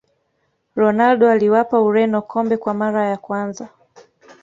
ronaldo aliwapa ureno kombe kwa mara ya kwanza